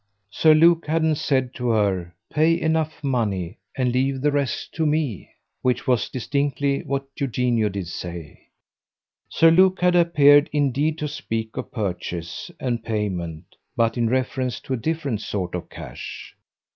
Sir Luke hadn't said to her "Pay enough money and leave the rest to ME" which was distinctly what Eugenio did say. Sir Luke had appeared indeed to speak of purchase and payment, but in reference to a different sort of cash.